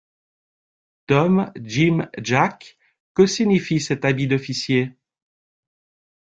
Tom-Jim-Jack, que signifie cet habit d’officier?